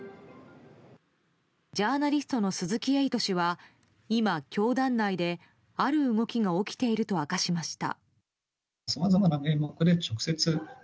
ジャーナリストの鈴木エイト氏は今、教団内である動きが起きていると明かしました。